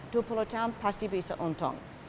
dua puluh tahun pasti bisa untung